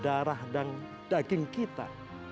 darah dan daging kita